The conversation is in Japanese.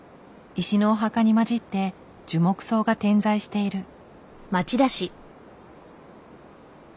石のお墓に交じって樹木葬が点在している。